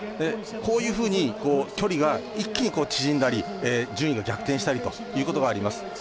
こういうふうに距離が一気に縮んだり順位が逆転したりということがあります。